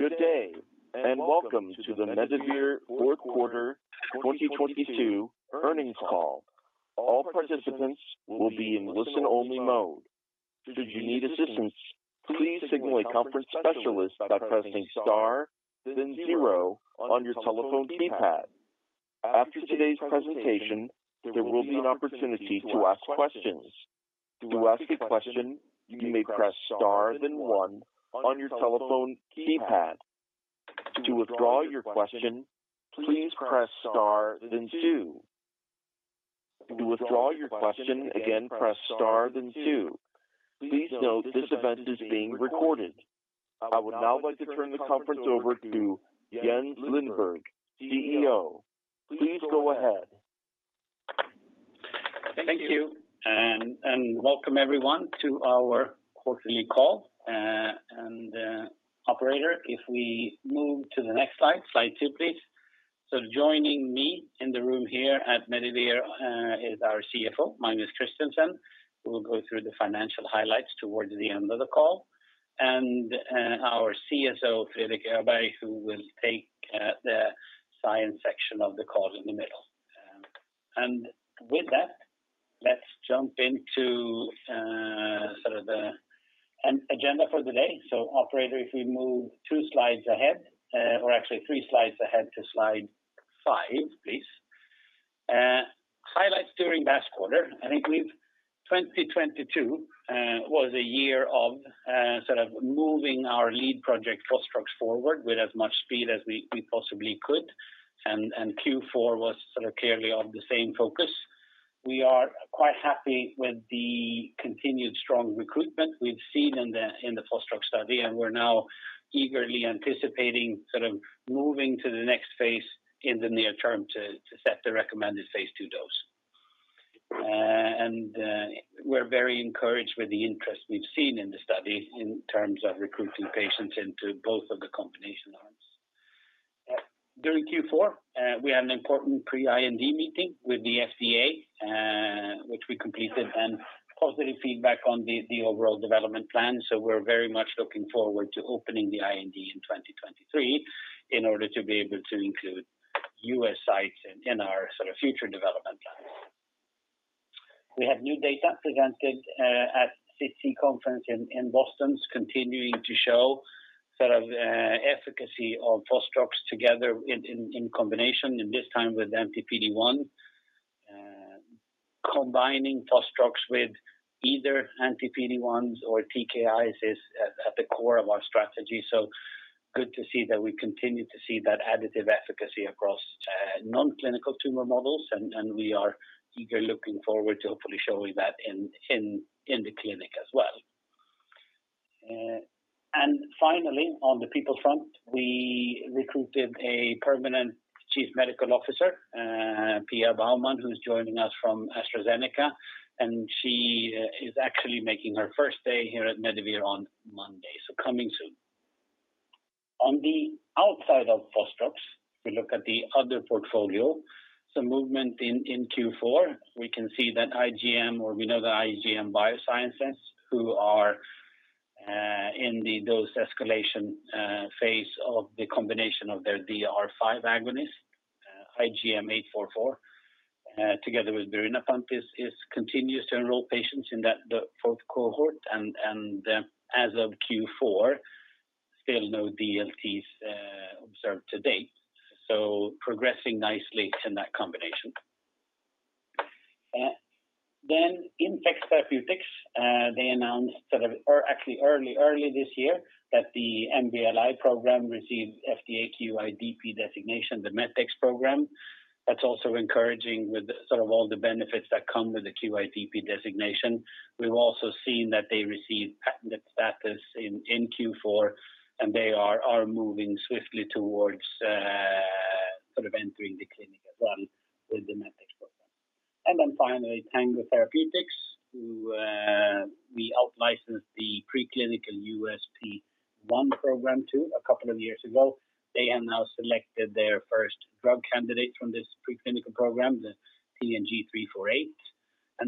Good day, and welcome to the Medivir fourth quarter 2022 earnings call. All participants will be in listen only mode. Should you need assistance, please signal a conference specialist by pressing star then zero on your telephone keypad. After today's presentation, there will be an opportunity to ask questions. To ask a question, you may press star then 1 on your telephone keypad. To withdraw your question, please press star then two. To withdraw your question, again, press star then two. Please note this event is being recorded. I would now like to turn the conference over to Jens Lindberg, CEO. Please go ahead. Thank you, welcome everyone to our quarterly call. Operator, if we move to the next slide two, please. Joining me in the room here at Medivir is our CFO, Magnus Christensen, who will go through the financial highlights towards the end of the call. Our CSO, Fredrik Öberg, who will take the science section of the call in the middle. With that, let's jump into sort of the agenda for today. Operator, if we move two slides ahead, or actually three slides ahead to slide five, please. Highlights during last quarter, I think 2022 was a year of sort of moving our lead project fostrox forward with as much speed as we possibly could, and Q4 was sort of clearly of the same focus. We are quite happy with the continued strong recruitment we've seen in the, in the fostrox study, and we're now eagerly anticipating sort of moving to the next phase in the near term to set the recommended phase II dose. We're very encouraged with the interest we've seen in the study in terms of recruiting patients into both of the combination arms. During Q4, we had an important pre-IND meeting with the FDA, which we completed and positive feedback on the overall development plan. We're very much looking forward to opening the IND in 2023 in order to be able to include U.S. sites in our sort of future development plans. We have new data presented at CT conference in Boston's continuing to show sort of efficacy of fostrox together in combination and this time with anti-PD-1. Combining fostrox with either anti-PD-1 or TKIs is at the core of our strategy. Good to see that we continue to see that additive efficacy across non-clinical tumor models, and we are eager looking forward to hopefully showing that in the clinic as well. Finally, on the people front, we recruited a permanent chief medical officer, Pia Baumann, who's joining us from AstraZeneca, and she is actually making her first day here at Medivir on Monday, so coming soon. On the outside of fostrox, we look at the other portfolio, some movement in Q4. We can see that IGM or we know the IGM Biosciences who are in the dose escalation phase of the combination of their DR5 agonist, IGM-8444, together with birinapant continues to enroll patients in that, the fourth cohort. As of Q4, still no DLTs observed to date, progressing nicely in that combination. Infex Therapeutics, they announced that or actually early this year that the MBLI program received FDA QIDP designation, the MET-X program. That's also encouraging with the sort of all the benefits that come with the QIDP designation. We've also seen that they received patented status in Q4, they are moving swiftly towards sort of entering the clinic as well with the MET-X program. Finally, Tango Therapeutics, who we outlicensed the preclinical USP1 program to a couple of years ago. They have now selected their first drug candidate from this preclinical program, the TNG348.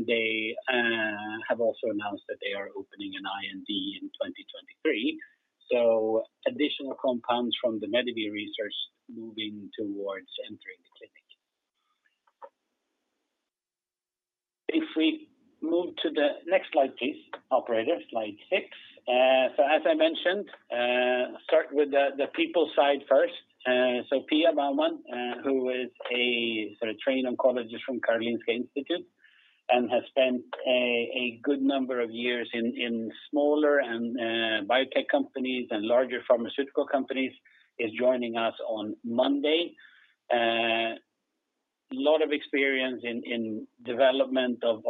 They have also announced that they are opening an IND in 2023. Additional compounds from the Medivir research moving towards entering the clinic. If we move to the next slide, please, operator, slide six. As I mentioned, start with the people side first. Pia Baumann, who is a sort of trained oncologist from Karolinska Institutet and has spent a good number of years in smaller and biotech companies and larger pharmaceutical companies, is joining us on Monday. Lot of experience in development of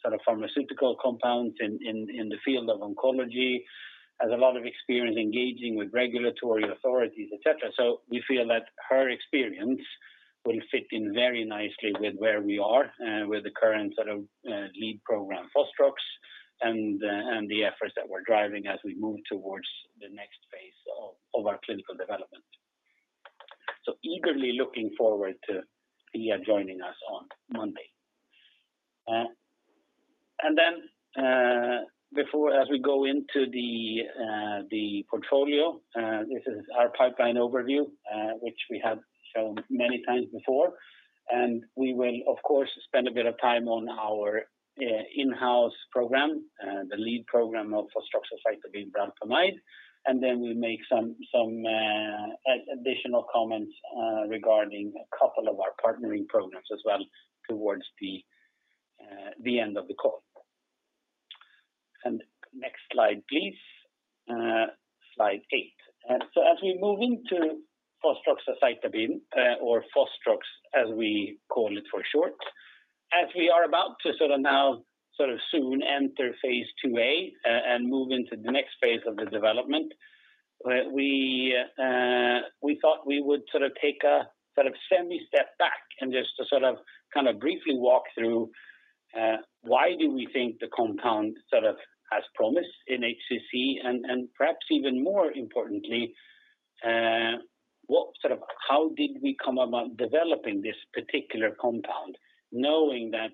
sort of pharmaceutical compounds in the field of oncology. Has a lot of experience engaging with regulatory authorities, etc. We feel that her experience will fit in very nicely with where we are with the current lead program, fostrox, and the efforts that we're driving as we move towards the next phase of our clinical development. So eagerly looking forward to Pia joining us on Monday. Then before as we go into the portfolio, this is our pipeline overview, which we have shown many times before, and we will of course spend a bit of time on our in-house program, the lead program of fostroxacitabine bralpamide. Then we make some additional comments regarding a couple of our partnering programs as well towards the end of the call. Next slide, please. Slide eight. As we move into fostroxacitabine, or fostrox as we call it for short, as we are about to now soon enter phase IIa and move into the next phase of the development, we thought we would take a semi step back and just to kind of briefly walk through why do we think the compound has promise in HCC and perhaps even more importantly, how did we come about developing this particular compound knowing that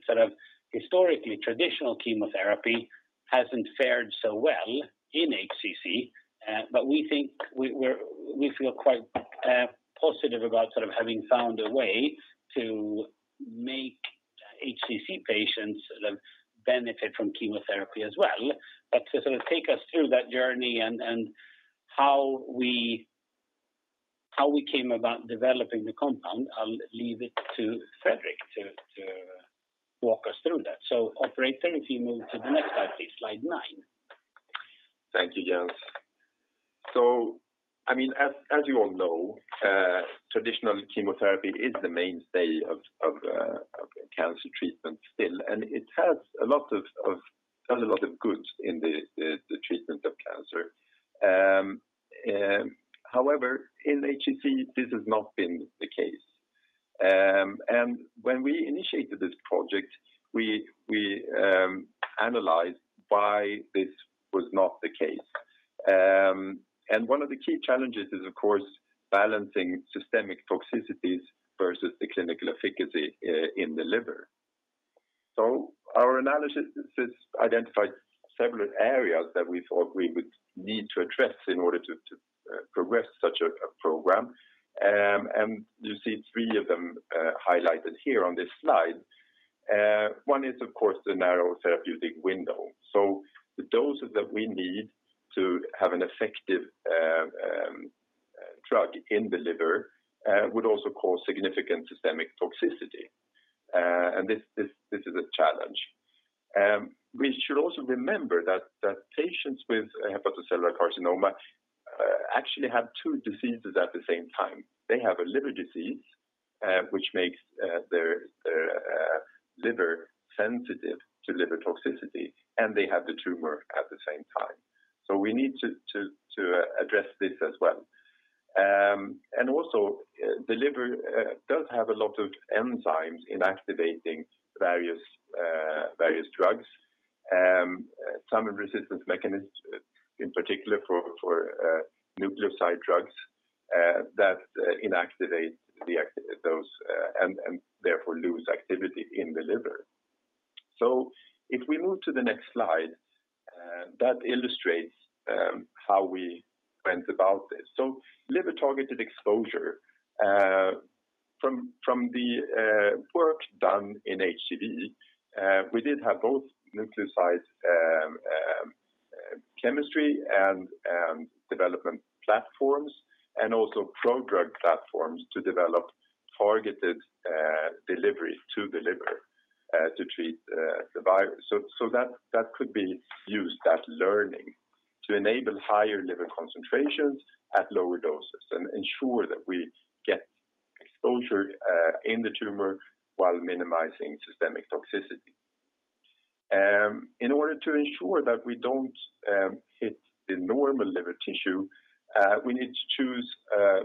historically traditional chemotherapy hasn't fared so well in HCC. We think we feel quite positive about having found a way to make HCC patients benefit from chemotherapy as well. To sort of take us through that journey and how we came about developing the compound, I'll leave it to Fredrik to walk us through that. Operator, if you move to the next slide, please. Slide nine. Thank you, Jens. I mean, as you all know, traditional chemotherapy is the mainstay of cancer treatment still. It has a lot of good in the treatment of cancer. However, in HCC, this has not been the case. When we initiated this project, we analyzed why this was not the case. One of the key challenges is of course balancing systemic toxicities versus the clinical efficacy in the liver. Our analysis has identified several areas that we thought we would need to address in order to progress such a program. You see three of them highlighted here on this slide. One is of course the narrow therapeutic window. The doses that we need to have an effective drug in the liver would also cause significant systemic toxicity. This is a challenge. We should also remember that patients with hepatocellular carcinoma actually have two diseases at the same time. They have a liver disease, which makes their liver sensitive to liver toxicity, and they have the tumor at the same time. We need to address this as well. And also, the liver does have a lot of enzymes in activating various drugs, some resistance mechanisms in particular for nucleoside drugs that inactivate those and therefore lose activity in the liver. If we move to the next slide, that illustrates how we went about this. Liver-targeted exposure, from the work done in HCV, we did have both nucleoside chemistry and development platforms and also pro-drug platforms to develop targeted delivery to the liver, to treat the virus. That could be used, that learning, to enable higher liver concentrations at lower doses and ensure that we get exposure in the tumor while minimizing systemic toxicity. In order to ensure that we don't hit the normal liver tissue, we need to choose a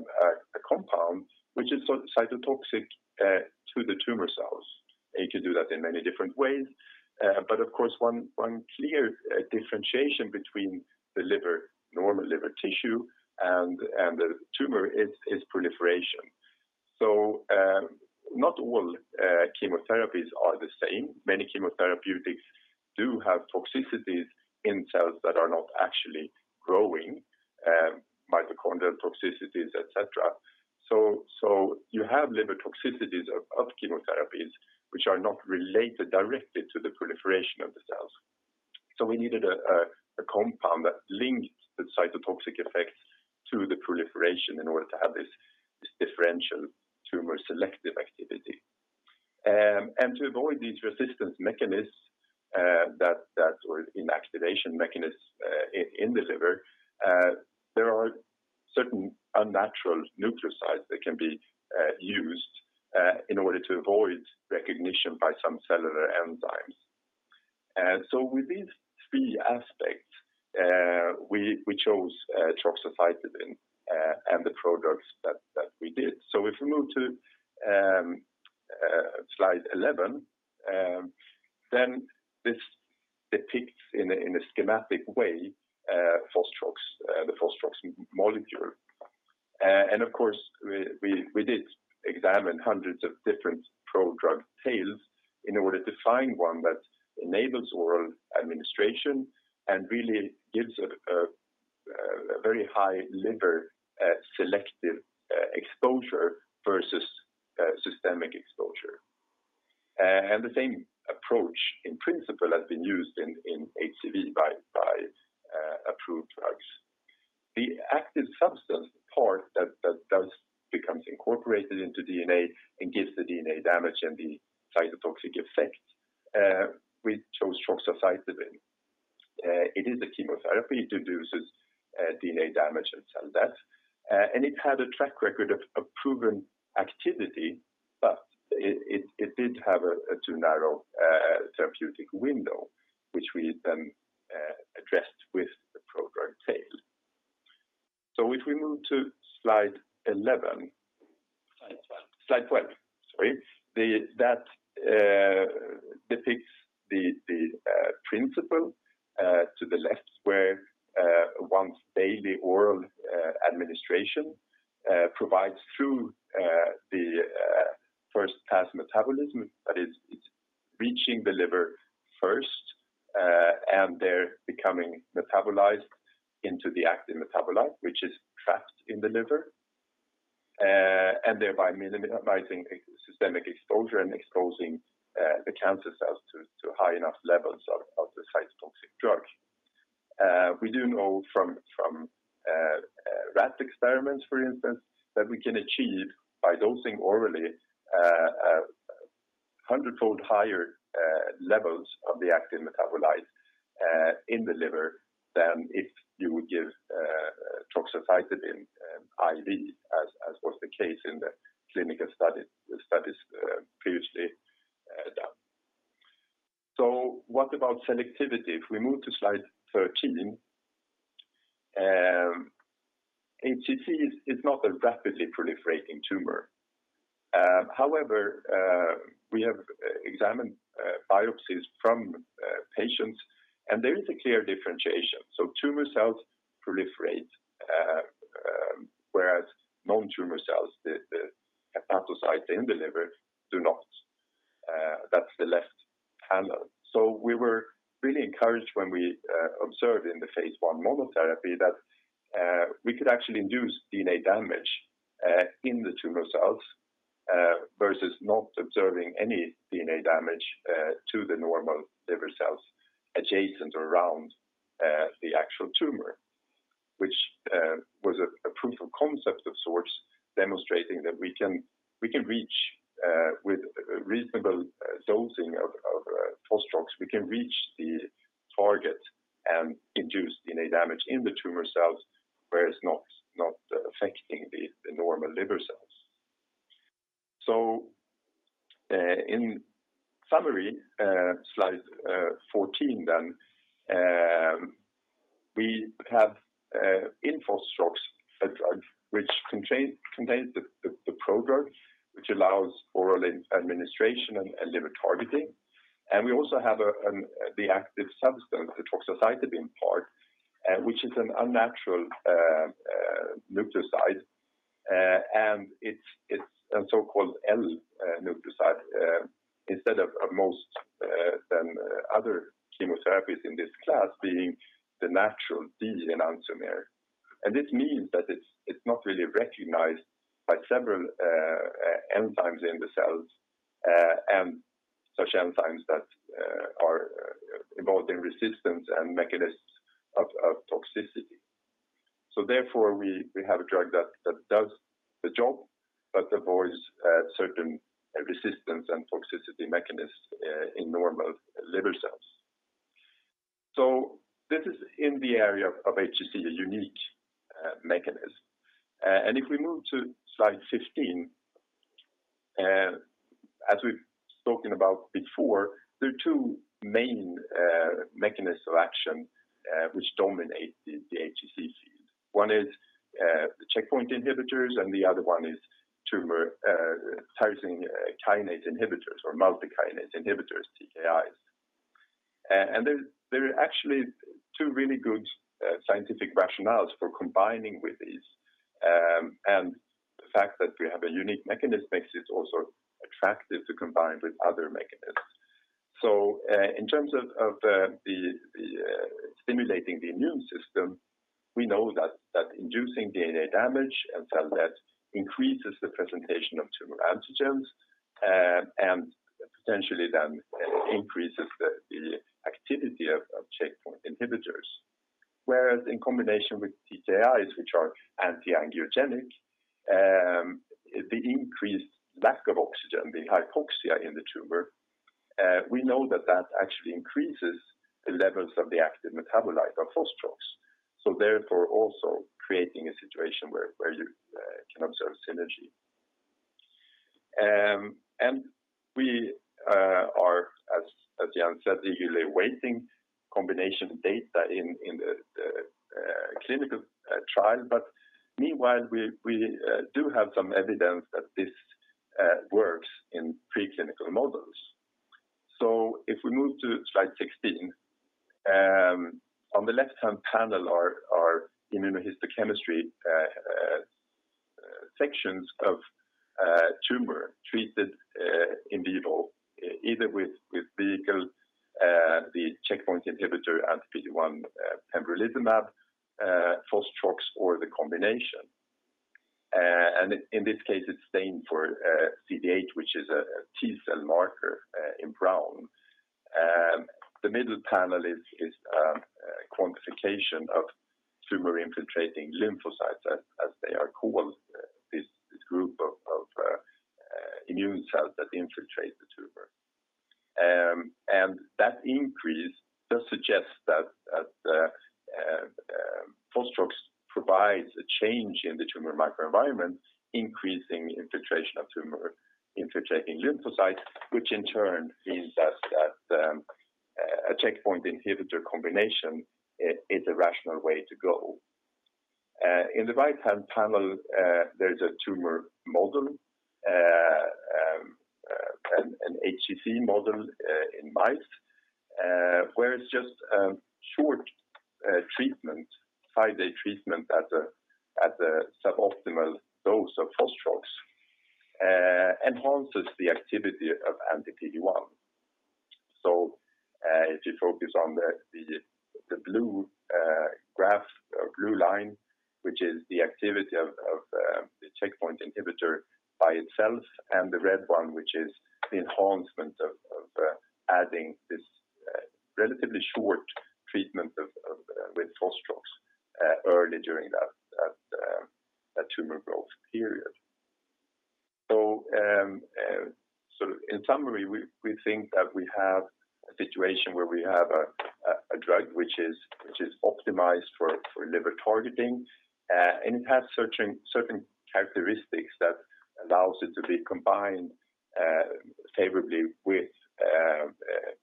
compound which is cytotoxic to the tumor cells. You can do that in many different ways. Of course, one clear differentiation between the liver, normal liver tissue and the tumor is proliferation. Not all chemotherapies are the same. Many chemotherapeutics do have toxicities in cells that are not actually growing, mitochondrial toxicities, et cetera. You have liver toxicities of chemotherapies which are not related directly to the proliferation of the cells. We needed a compound that linked the cytotoxic effects to the proliferation in order to have this differential tumor selective activity. To avoid these resistance mechanisms, or inactivation mechanisms in the liver, there are certain unnatural nucleosides that can be used in order to avoid recognition by some cellular enzymes. With these three aspects, we chose troxacitabine and the pro-drugs that we did. If we move to slide 11, It depicts in a schematic way, fostrox, the fostrox molecule. Of course, we did examine hundreds of different prodrug tails in order to find one that enables oral administration and really gives a very high liver selective exposure versus systemic exposure. The same approach in principle has been used in HCV by approved drugs. The active substance part that does becomes incorporated into DNA and gives the DNA damage and the cytotoxic effect, we chose troxacitabine. It is a chemotherapy. It induces DNA damage and cell death. It had a track record of proven activity, but it did have a too narrow therapeutic window, which we then addressed with the prodrug tail. If we move to slide 11. Slide 12. Slide 12, sorry. That depicts the principle to the left where once daily oral administration provides through the first-pass metabolism, that is, it's reaching the liver first, and there becoming metabolized into the active metabolite which is trapped in the liver, and thereby minimizing ex-systemic exposure and exposing the cancer cells to high enough levels of the cytotoxic drug. We do know from rat experiments for instance, that we can achieve by dosing orally 100-fold higher levels of the active metabolite in the liver than if you would give troxacitabine IV as was the case in the clinical studies previously done. What about selectivity? If we move to slide 13. HCC is not a rapidly proliferating tumor. However, we have examined biopsies from patients, and there is a clear differentiation. Tumor cells proliferate, whereas non-tumor cells, the hepatocytes in the liver do not. That's the left panel. We were really encouraged when we observed in the phase I monotherapy that we could actually induce DNA damage in the tumor cells versus not observing any DNA damage to the normal liver cells adjacent around the actual tumor, which was a proof of concept of sorts, demonstrating that we can, we can reach with reasonable dosing of fostrox, we can reach the target and induce DNA damage in the tumor cells whereas not affecting the normal liver cells. In summary, slide 14 then, we have in fostrox a drug which contains the prodrug which allows oral administration and liver targeting. We also have the active substance, the troxacitabine part, which is an unnatural nucleoside. It's a so-called L-nucleoside instead of most than other chemotherapies in this class being the natural D-enantiomer. This means that it's not really recognized by several enzymes in the cells, and such enzymes that are involved in resistance and mechanisms of toxicity. Therefore, we have a drug that does the job but avoids certain resistance and toxicity mechanisms in normal liver cells. This is in the area of HCC a unique mechanism. If we move to slide 15, as we've spoken about before, there are two main mechanisms of action, which dominate the HCCs. One is the checkpoint inhibitors, and the other one is tumor tyrosine kinase inhibitors or multi-kinase inhibitors, TKIs. There are actually two really good scientific rationales for combining with these. The fact that we have a unique mechanism makes this also attractive to combine with other mechanisms. In terms of stimulating the immune system, we know that inducing DNA damage and cell death increases the presentation of tumor antigens, and potentially then increases the activity of checkpoint inhibitors. Whereas in combination with TKIs which are anti-angiogenic, the increased lack of oxygen, the hypoxia in the tumor, we know that that actually increases the levels of the active metabolite of fostrox. Therefore also creating a situation where you can observe synergy. And we are as Jen said, eagerly awaiting combination data in the clinical trial but meanwhile we do have some evidence that this works in preclinical models. If we move to slide 16, on the left-hand panel are immunohistochemistry sections of tumor treated in vivo either with vehicle, the checkpoint inhibitor anti-PD-1, pembrolizumab, fostrox or the combination. And in this case it's stained for CD8 which is a T-cell marker in brown. The middle panel is quantification of tumor-infiltrating lymphocytes as they are called, this group of immune cells that infiltrate the tumor. That increase does suggest that fostrox provides a change in the tumor microenvironment increasing the infiltration of tumor-infiltrating lymphocytes, which in turn means that a checkpoint inhibitor combination is a rational way to go. In the right-hand panel, there's a tumor model, an HCC model in mice, where it's just a short treatment, five-day treatment at a suboptimal dose of fostrox, enhances the activity of anti-PD-1. If you focus on the blue graph or blue line which is the activity of the checkpoint inhibitor by itself and the red one which is the enhancement of adding this relatively short treatment of with fostrox early during that tumor growth period. In summary we think that we have a situation where we have a drug which is optimized for liver targeting, and it has certain characteristics that allows it to be combined favorably with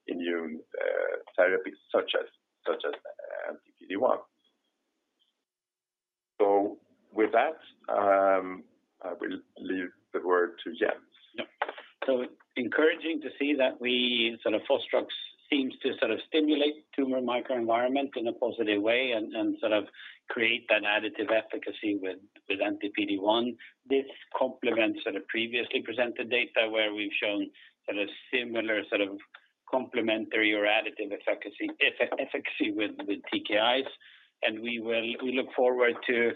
immune therapies such as anti-PD-1. With that, I will leave the word to Jens. Encouraging to see that we sort of fostrox seems to sort of stimulate tumor microenvironment in a positive way and sort of create an additive efficacy with anti-PD-1. This complements sort of previously presented data where we've shown sort of similar sort of complementary or additive efficacy with TKIs and we look forward to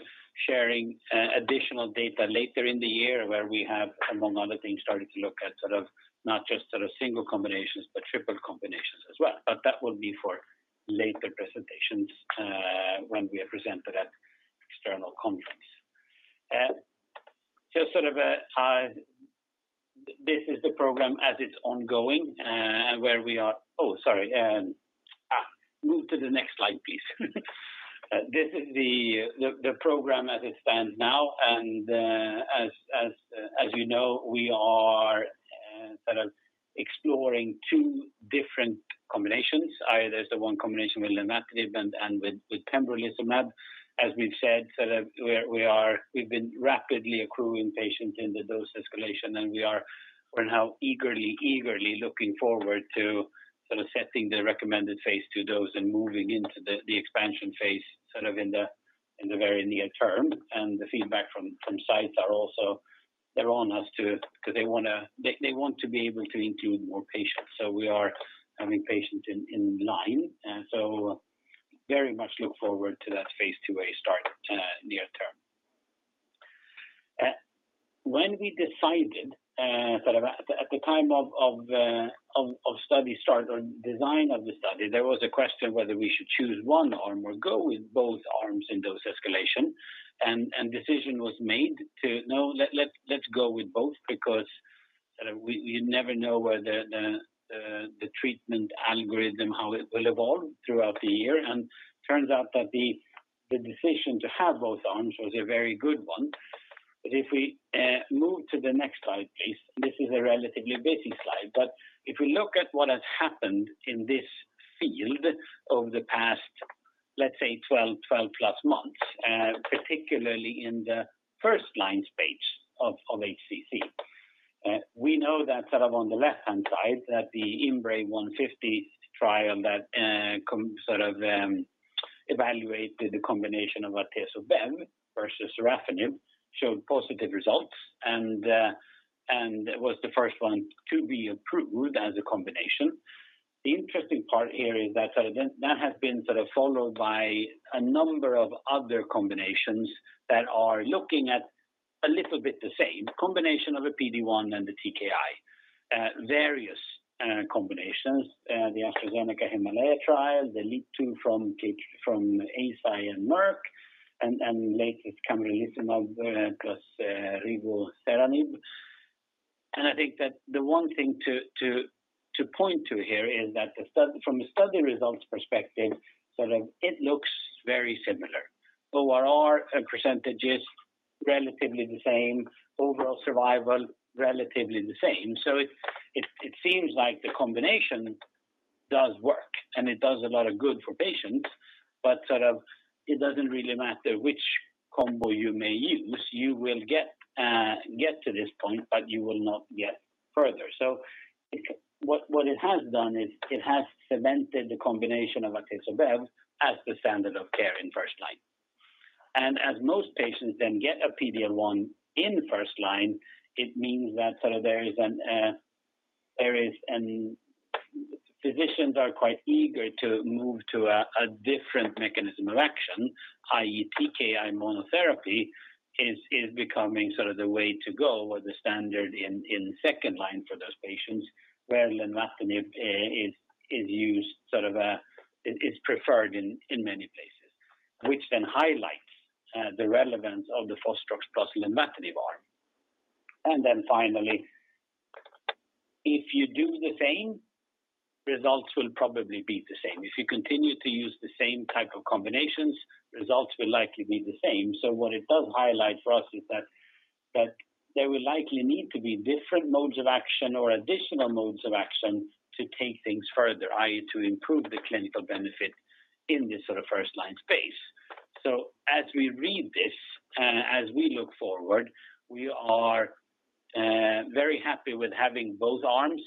sharing additional data later in the year where we have, among other things, started to look at sort of not just sort of single combinations but triple combinations as well. That will be for later presentations when we are presented at external conference. Just sort of this is the program as it's ongoing and where we are. Oh, sorry. Move to the next slide please. This is the program as it stands now as you know, we are sort of exploring two different combinations. There's the one combination with lenvatinib and with pembrolizumab. As we've said, sort of we are... We've been rapidly accruing patients in the dose escalation, we are right now eagerly looking forward to sort of setting the recommended phase II dose and moving into the expansion phase sort of in the very near term. The feedback from sites are also... They're on us to 'cause they wanna, they want to be able to include more patients. We are having patients in line, so very much look forward to that phase IIa start near term. When we decided, sort of at the time of study start or design of the study, there was a question whether we should choose one arm or go with both arms in dose escalation and decision was made to, no, let's go with both because sort of we never know whether the treatment algorithm how it will evolve throughout the year and turns out that the decision to have both arms was a very good one. If we move to the next slide please, this is a relatively busy slide. If we look at what has happened in this field over the past let's say 12 plus months, particularly in the first-line space of HCC, we know that sort of on the left-hand side that the IMbrave150 trial that sort of evaluated the combination of atezolizumab versus erlotinib showed positive results and was the first one to be approved as a combination. The interesting part here is that sort of then that has been sort of followed by a number of other combinations that are looking at a little bit the same, combination of a PD-1 and a TKI, various combinations. The AstraZeneca HIMALAYA trial, the LEAP-002 from Eisai and Merck and latest pembrolizumab plus rivoceranib. I think that the one thing to point to here is that from the study results perspective, sort of it looks very similar. ORR, percentages relatively the same. Overall survival relatively the same. It seems like the combination does work, and it does a lot of good for patients, but sort of it doesn't really matter which combo you may use. You will get to this point, but you will not get further. What it has done is it has cemented the combination of atezolizumab as the standard of care in first line. As most patients then get a PD-L1 in the first line, it means that sort of there is an. Physicians are quite eager to move to a different mechanism of action, i.e. TKI monotherapy is becoming sort of the way to go or the standard in second line for those patients where lenvatinib is used sort of, is preferred in many places. Then highlights the relevance of the fostrox plus lenvatinib arm. Finally, if you do the same, results will probably be the same. If you continue to use the same type of combinations, results will likely be the same. What it does highlight for us is that there will likely need to be different modes of action or additional modes of action to take things further, i.e. to improve the clinical benefit in this sort of first line space. As we read this and as we look forward, we are very happy with having both arms,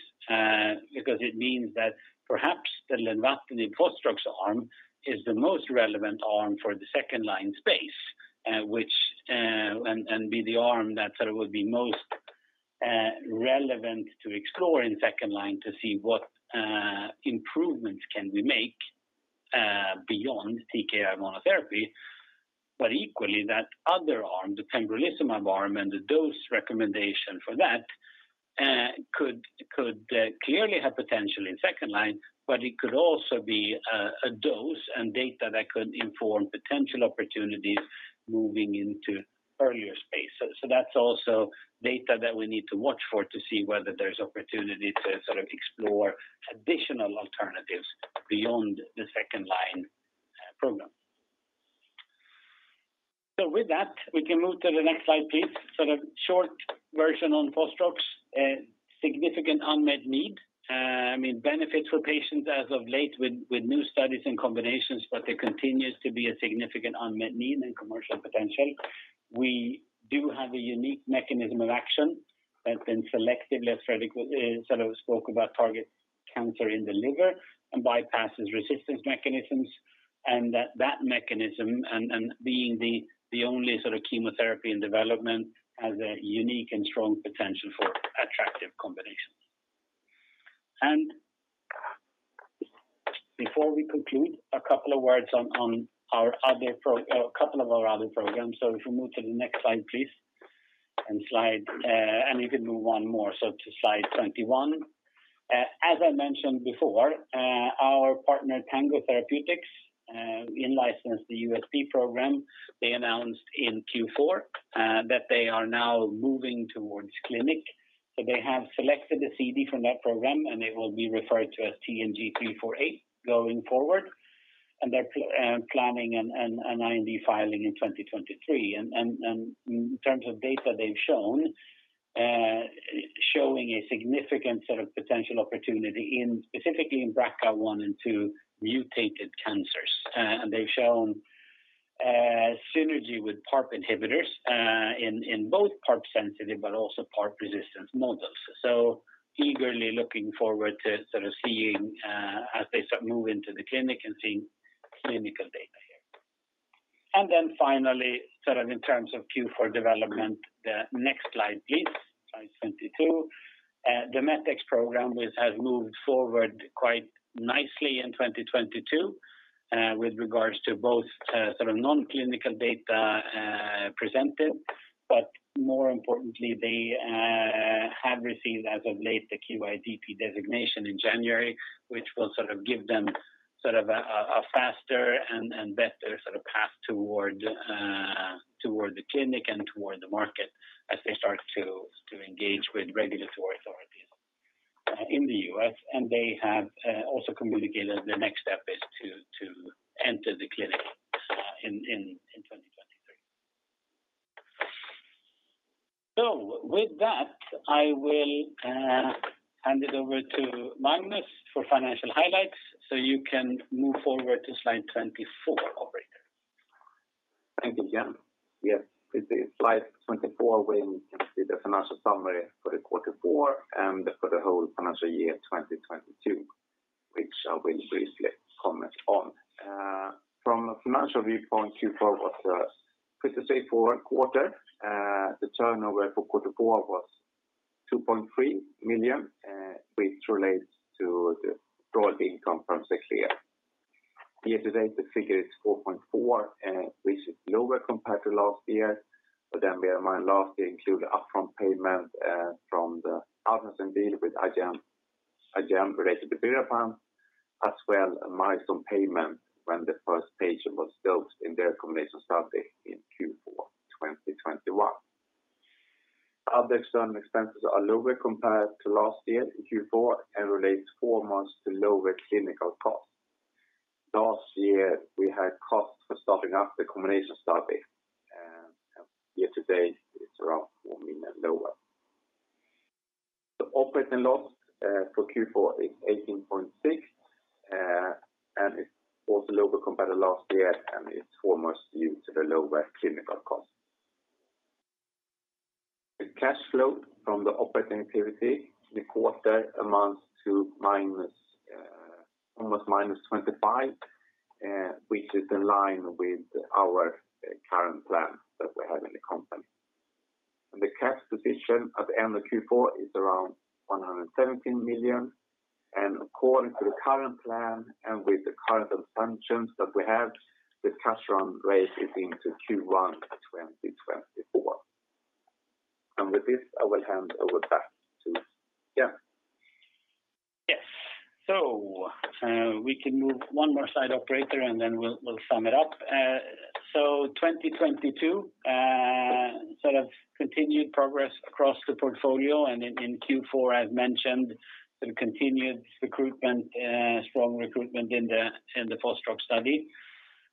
because it means that perhaps the lenvatinib fostrox arm is the most relevant arm for the second line space, which, and be the arm that sort of would be most relevant to explore in second line to see what improvements can we make beyond TKI monotherapy. Equally, that other arm, the pembrolizumab arm and the dose recommendation for that, could clearly have potential in second line, but it could also be a dose and data that could inform potential opportunities moving into earlier spaces. That's also data that we need to watch for to see whether there's opportunity to sort of explore additional alternatives beyond the second line program. With that, we can move to the next slide, please. Sort of short version on fostrox, significant unmet need. I mean, benefits for patients as of late with new studies and combinations, but there continues to be a significant unmet need and commercial potential. We do have a unique mechanism of action that then selectively as Fredrik was, sort of spoke about targets cancer in the liver and bypasses resistance mechanisms. That that mechanism and being the only sort of chemotherapy in development has a unique and strong potential for attractive combinations. Before we conclude, a couple of words on our other programs. If we move to the next slide, please. Slide, and you can move one more, so to slide 21. As I mentioned before, our partner Tango Therapeutics in-licensed the USP program. They announced in Q4 that they are now moving towards clinic. They have selected the CD from that program, and it will be referred to as TNG348 going forward. They're planning an IND filing in 2023. In terms of data they've shown, showing a significant sort of potential opportunity in specifically in BRCA1 and BRCA2 mutated cancers. They've shown synergy with PARP inhibitors in both PARP sensitive but also PARP resistant models. Eagerly looking forward to sort of seeing as they start move into the clinic and seeing clinical data here. Finally, sort of in terms of Q4 development, the next slide please, slide 22. The MET-X program which has moved forward quite nicely in 2022, with regards to both, sort of non-clinical data, presented. More importantly, they have received as of late the QIDP designation in January, which will sort of give them sort of a faster and better sort of path toward the clinic and toward the market as they start to engage with regulatory authorities in the U.S. They have also communicated their next step is to enter the clinic in 2023. With that, I will hand it over to Magnus for financial highlights. You can move forward to slide 24, operator. Thank you, Jan. Yes, it's slide 24 where you can see the financial summary for Q4 and for the whole financial year 2022, which I will briefly comment on. From a financial viewpoint, Q4 was a pretty safe forward quarter. The turnover for Q4 was 2.3 million, which relates to the royalty income from Xerclear. Year to date, the figure is 4.4 million, which is lower compared to last year. Bear in mind, last year included upfront payment, from the outlicensing deal with Agenus related to birinapant, as well a milestone payment when the first patient was dosed in their combination study in Q4 2021. Other external expenses are lower compared to last year in Q4 and relates foremost to lower clinical costs. Last year, we had costs for starting up the combination study. Year to date, it's around 1 million lower. The operating loss for Q4 is 18.6, and it's also lower compared to last year, and it's almost due to the lower clinical costs. The cash flow from the operating activity in the quarter amounts to minus almost minus 25, which is in line with our current plan that we have in the company. The cash position at the end of Q4 is around 117 million. According to the current plan and with the current assumptions that we have, the cash run rate is into Q1 of 2024. With this, I will hand over back to Jan. Yes. We can move one more side operator, then we'll sum it up. 2022, sort of continued progress across the portfolio. In Q4, as mentioned, the continued recruitment, strong recruitment in the Fostrox study.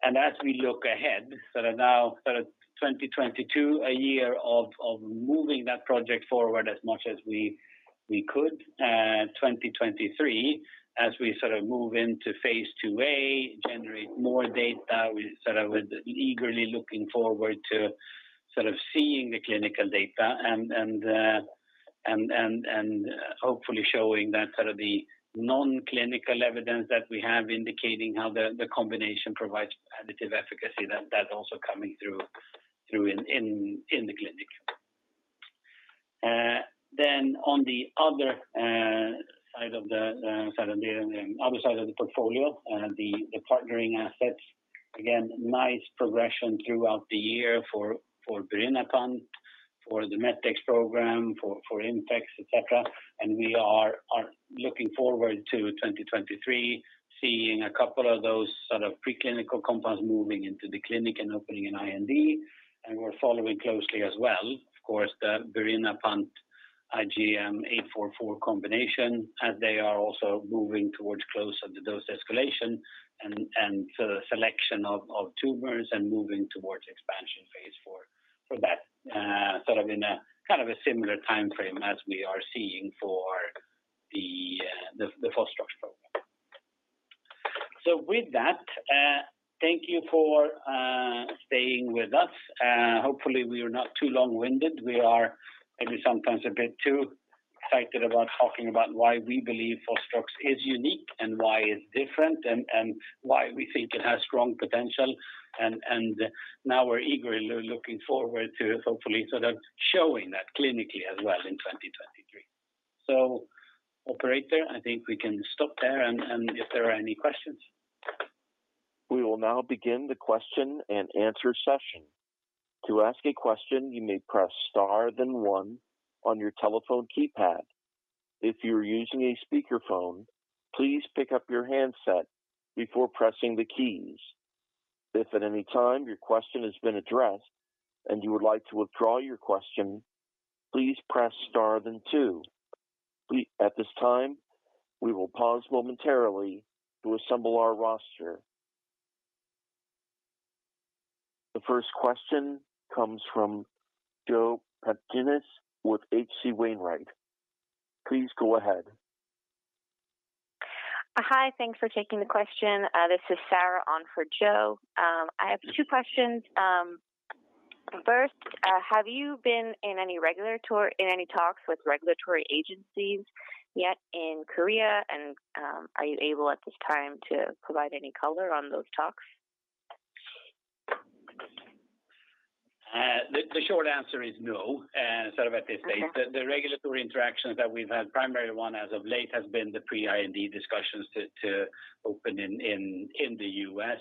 As we look ahead, sort of now, sort of 2022, a year of moving that project forward as much as we could. 2023, as we sort of move into phase IIa, generate more data, we sort of were eagerly looking forward to sort of seeing the clinical data and hopefully showing that sort of the non-clinical evidence that we have indicating how the combination provides additive efficacy that also coming through in the clinic. rg, Chief Scientific Officer maybe sometimes a bit too excited about talking about why we believe fostrox is unique and why it's different and, why we think it has strong potential. Now we're eagerly looking forward to hopefully sort of showing that clinically as well in 2023. Operator, I think we can stop there and, if there are any questions. We will now begin the question and answer session. To ask a question, you may press star then one on your telephone keypad. If you're using a speaker phone, please pick up your handset before pressing the keys. If at any time your question has been addressed and you would like to withdraw your question, please press star then two. At this time, we will pause momentarily to assemble our roster. The first question comes from Joe Pantginis with H.C. Wainwright. Please go ahead. Hi, thanks for taking the question. This is Sarah on for Joe. I have two questions. First, have you been in any talks with regulatory agencies yet in Korea? Are you able at this time to provide any color on those talks? The short answer is no, sort of at this stage. Okay. The regulatory interactions that we've had, primary one as of late, has been the pre-IND discussions to open in the U.S.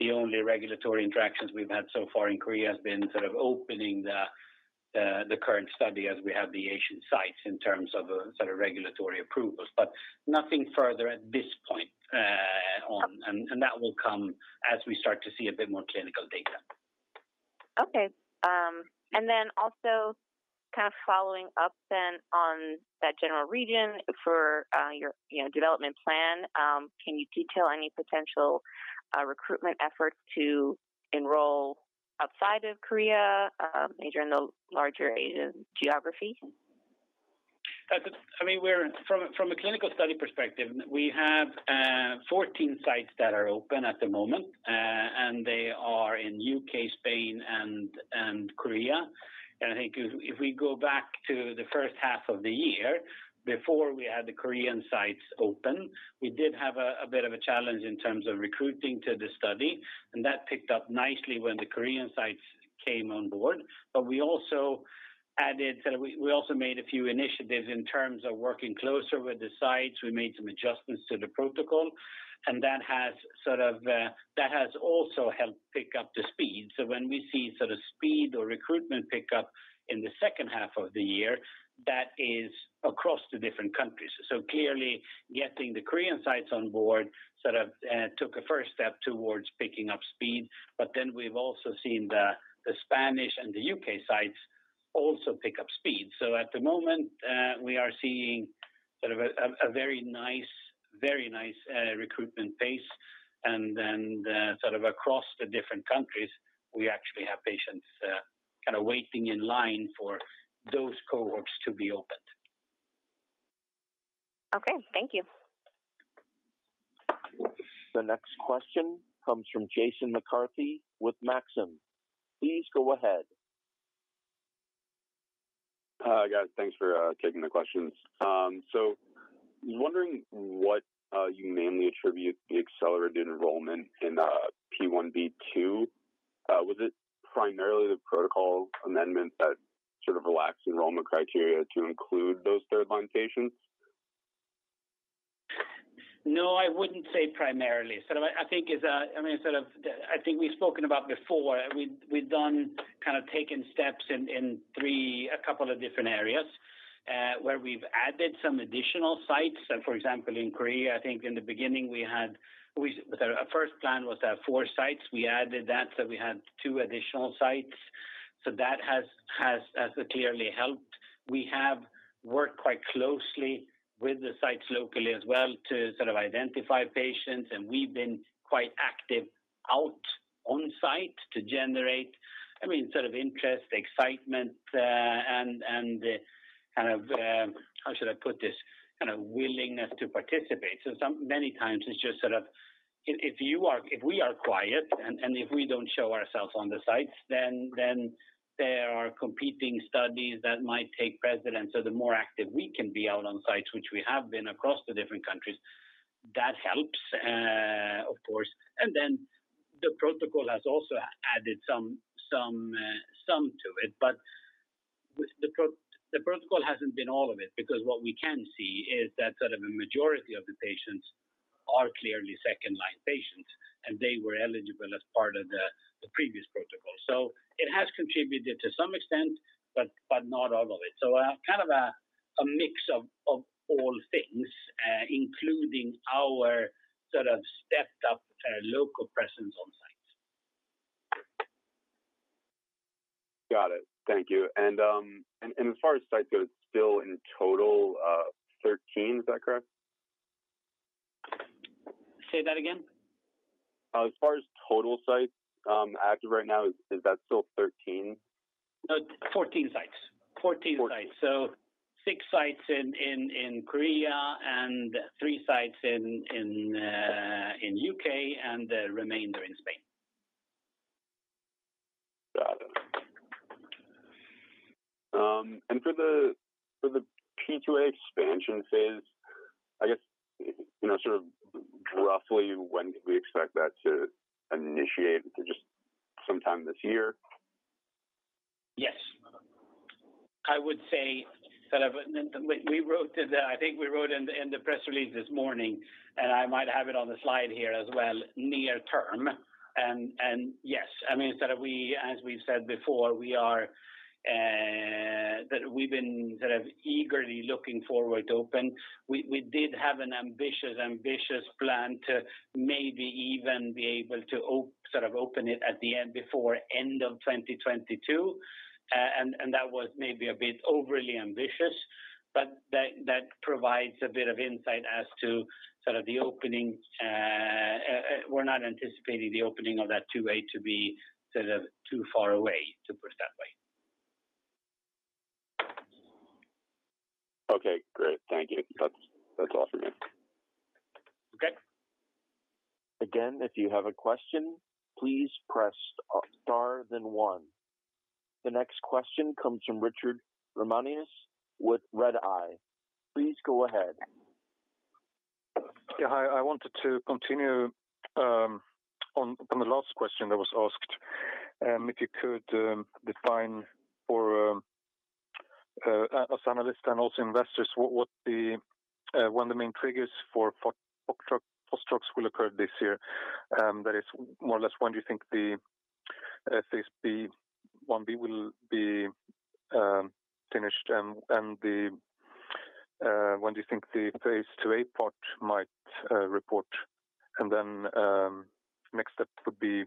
The only regulatory interactions we've had so far in Korea has been sort of opening the current study as we have the Asian sites in terms of sort of regulatory approvals, but nothing further at this point on. That will come as we start to see a bit more clinical data. Okay. Also kind of following up then on that general region for your development plan, can you detail any potential recruitment efforts to enroll outside of Korea, maybe in the larger Asian geography? I mean, from a clinical study perspective, we have 14 sites that are open at the moment, and they are in U.K., Spain and Korea. I think if we go back to the first half of the year before we had the Korean sites open, we did have a bit of a challenge in terms of recruiting to the study, and that picked up nicely when the Korean sites came on board. We also added, we also made a few initiatives in terms of working closer with the sites. We made some adjustments to the protocol, and that has sort of, that has also helped pick up the speed. When we see sort of speed or recruitment pick up in the second half of the year, that is across the different countries. Clearly getting the Korean sites on board sort of took a first step towards picking up speed. Then we've also seen the Spanish and the U.K. sites also pick up speed. At the moment, we are seeing sort of a very nice recruitment pace and then sort of across the different countries, we actually have patients kind of waiting in line for those cohorts to be opened. Okay, thank you. The next question comes from Jason McCarthy with Maxim. Please go ahead. Hi guys. Thanks for taking the questions. Wondering what you mainly attribute the accelerated enrollment in Phase Ib? Was it primarily the protocol amendment that sort of relaxed enrollment criteria to include those 3rd line patients? No, I wouldn't say primarily. I think it's, I mean sort of. I think we've spoken about before. We've done kind of taken steps in a couple of different areas, where we've added some additional sites. For example, in Korea, I think in the beginning our first plan was to have four sites. We added that, so we had two additional sites. That has clearly helped. We have worked quite closely with the sites locally as well to sort of identify patients, and we've been quite active out on site to generate, I mean, sort of interest, excitement, and kind of, how should I put this? Kind of willingness to participate. Many times it's just sort of if we are quiet and if we don't show ourselves on the sites, then there are competing studies that might take precedence. The more active we can be out on sites, which we have been across the different countries, that helps, of course. The protocol has also added some to it. The protocol hasn't been all of it, because what we can see is that sort of a majority of the patients are clearly second-line patients, and they were eligible as part of the previous protocol. It has contributed to some extent, but not all of it. Kind of a mix of all things, including our sort of stepped up, local presence on site. Got it. Thank you. As far as sites go, it's still in total, 13. Is that correct? Say that again. As far as total sites, active right now, is that still 13? 14 sites. 14 Six sites in Korea and three sites in U.K. and the remainder in Spain. Got it. For the Phase IIa expansion phase, I guess, you know, sort of roughly when could we expect that to initiate? Just sometime this year? Yes. I would say I think we wrote in the press release this morning, and I might have it on the slide here as well, near term. Yes, I mean, as we've said before, we are that we've been eagerly looking forward to open. We did have an ambitious plan to maybe even be able to open it at the end, before end of 2022. That was maybe a bit overly ambitious, but that provides a bit of insight as to the opening. We're not anticipating the opening of that two way to be too far away, to put it that way. Okay, great. Thank you. That's all for me. Okay. Again, if you have a question, please press star then one. The next question comes from Richard Ramanius with Redeye. Please go ahead. Hi. I wanted to continue on the last question that was asked. If you could define for us analysts and also investors what the main triggers for Fostrox's will occur this year. That is more or less when do you think the phase Ib will be finished and when do you think the phaseIIa part might report? Next step would be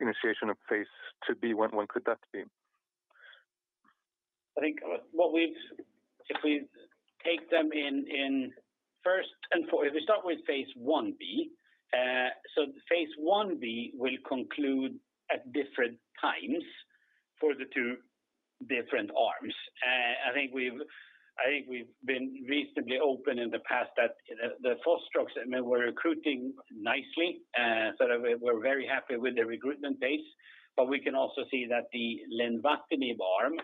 initiation of phase IIb. When could that be? I think If we start with phase Ib, Phase Ib will conclude at different times for the two different arms. I think we've been reasonably open in the past that the fostrox, I mean, we're recruiting nicely. Sort of we're very happy with the recruitment base. We can also see that the lenvatinib arm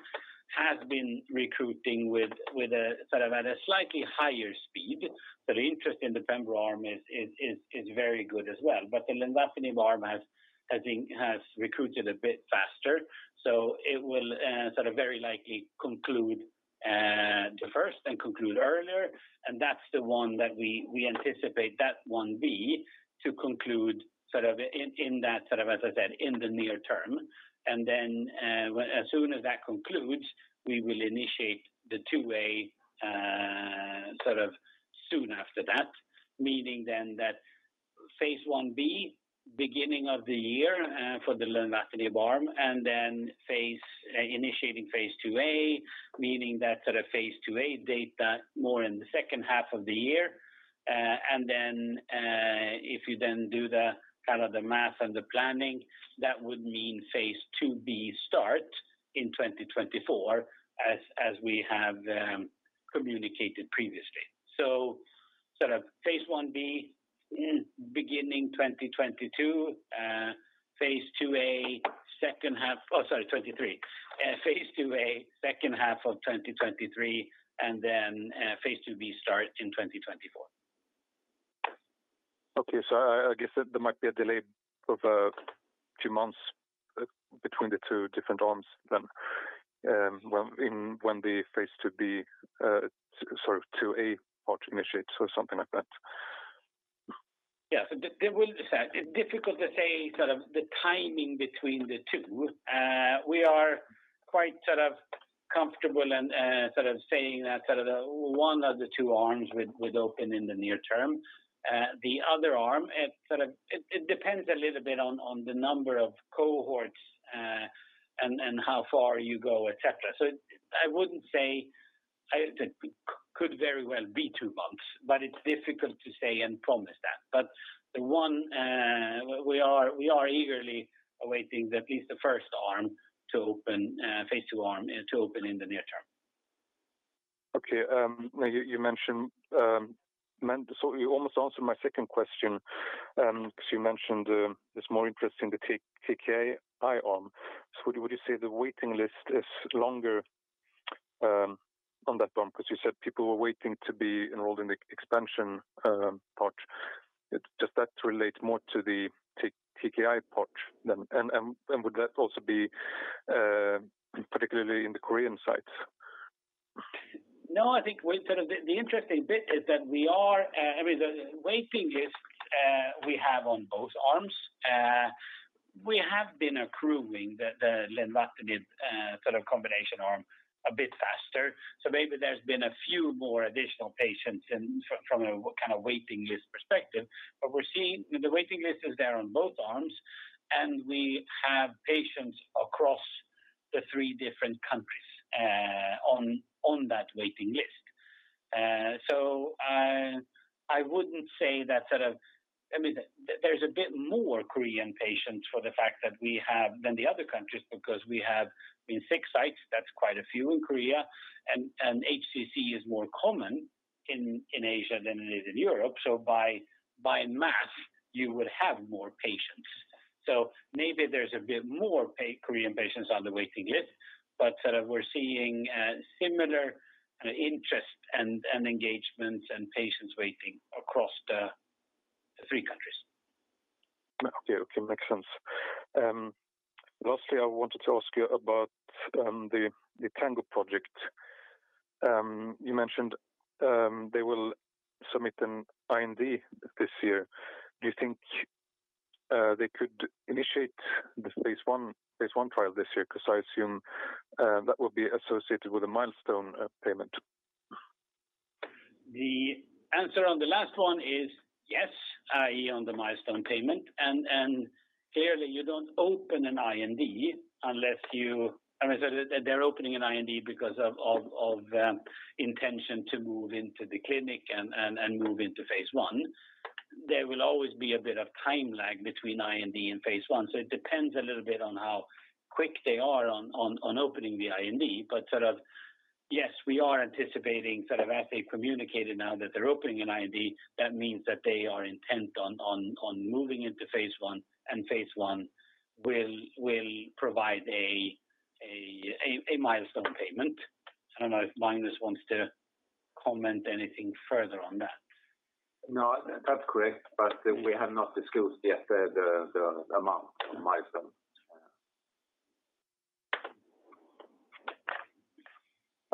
has been recruiting with a, sort of at a slightly higher speed. Interest in the pembro arm is very good as well. The lenvatinib arm has recruited a bit faster, it will, sort of very likely conclude the first and conclude earlier. That's the one that we anticipate that Phase Ib to conclude sort of in that sort of, as I said, in the near term. Then, as soon as that concludes, we will initiate the Phase IIa, sort of soon after that. Meaning then that Phase Ib beginning of the year, for the lenvatinib arm, and then phase, initiating Phase IIa, meaning that sort of Phase IIa date that more in the second half of the year. Then, if you then do the kind of the math and the planning, that would mean Phase 2b start in 2024 as we have communicated previously. Sort of Phase Ib in beginning 2022, Phase 2a second half... Oh, sorry, 2023. Phase 2a second half of 2023, and then, Phase 2b start in 2024. I guess there might be a delay of two months between the two different arms then, when the phase IIb sort of 2a part initiates or something like that. There will be that. It's difficult to say the timing between the two. We are quite comfortable in saying that the one of the two arms would open in the near term. The other arm, it depends a little bit on the number of cohorts, and how far you go, et cetera. I wouldn't say. I think it could very well be two months, but it's difficult to say and promise that. The one, we are eagerly awaiting at least the first arm to open, phase II arm, to open in the near term. Okay. Now you mentioned, you almost answered my second question, 'cause you mentioned there's more interest in the T-TKI arm. Would you say the waiting list is longer on that arm? 'Cause you said people were waiting to be enrolled in the expansion part. Does that relate more to the T-TKI part then? Would that also be particularly in the Korean sites? The interesting bit is that we are, I mean, the waiting lists we have on both arms. We have been accruing the lenvatinib combination arm a bit faster. Maybe there's been a few more additional patients in from a kind of waiting list perspective. We're seeing the waiting list is there on both arms, and we have patients across the three different countries on that waiting list. I mean, there's a bit more Korean patients for the fact that we have than the other countries because we have, I mean, six sites. That's quite a few in Korea. HCC is more common in Asia than it is in Europe. By and large, you would have more patients. Maybe there's a bit more Korean patients on the waiting list. Sort of we're seeing, similar, interest and engagement and patients waiting across the three countries. Okay. Okay. Makes sense. lastly, I wanted to ask you about the Tango project. You mentioned they will submit an IND this year. Do you think they could initiate the phase 1 trial this year? 'Cause I assume that would be associated with a milestone payment. The answer on the last one is yes, i.e., on the milestone payment. Clearly you don't open an IND unless you... I mean, so they're opening an IND because of intention to move into the clinic and move into phase I. There will always be a bit of time lag between IND and phase I. It depends a little bit on how quick they are on opening the IND. Sort of yes, we are anticipating sort of as they've communicated now that they're opening an IND, that means that they are intent on moving into phase I, and phase I will provide a milestone payment. I don't know if Linus wants to comment anything further on that. No, that's correct. We have not discussed yet the amount of milestone.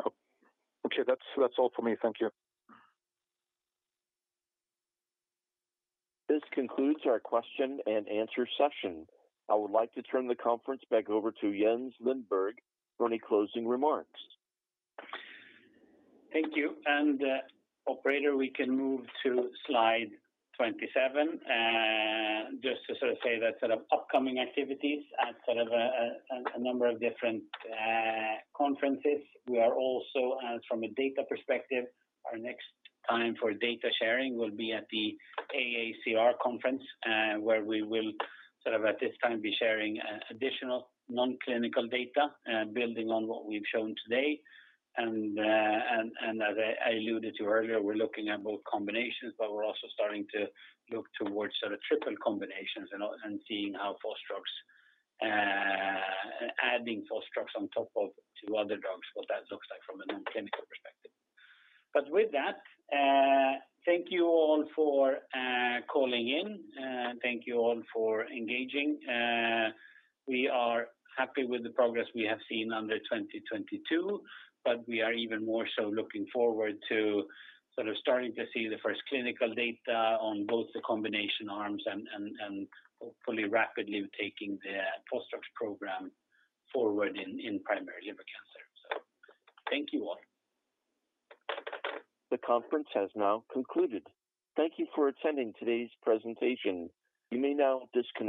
Oh. Okay. That's all for me. Thank you. This concludes our question-and-answer session. I would like to turn the conference back over to Jens Lindberg for any closing remarks. Thank you. Operator, we can move to slide 27. Just to say that upcoming activities at a number of different conferences. We are also as from a data perspective, our next time for data sharing will be at the AACR conference, where we will at this time be sharing additional non-clinical data, building on what we've shown today. As I alluded to earlier, we're looking at both combinations, but we're also starting to look towards triple combinations and seeing how four drugs, adding four drugs on top of two other drugs, what that looks like from a non-clinical perspective. With that, thank you all for calling in, and thank you all for engaging. We are happy with the progress we have seen under 2022, but we are even more so looking forward to sort of starting to see the first clinical data on both the combination arms and hopefully rapidly taking the 4 drugs program forward in primary liver cancer. Thank you all. The conference has now concluded. Thank you for attending today's presentation. You may now disconnect.